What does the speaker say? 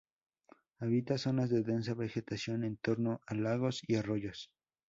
Habita zonas de densa vegetación en torno a lagos y arroyos.